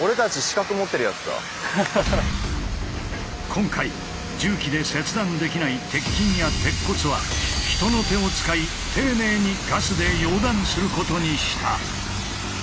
今回重機で切断できない鉄筋や鉄骨は人の手を使い丁寧にガスで溶断することにした。